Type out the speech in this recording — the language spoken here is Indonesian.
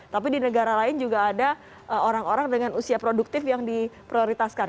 tapi di negara lain juga ada orang orang dengan usia produktif yang diprioritaskan